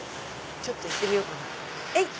ちょっと行ってみようかなえい！